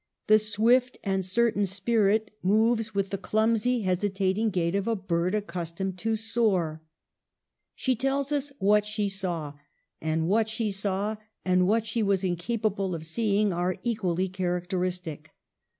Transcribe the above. The swift and certain spirit moves with the INTROD UCTION. 5 clumsy hesitating gait of a bird accustomed to soar. She tells us what she saw ; and what she saw and what she was incapable of seeing are equally characteristic.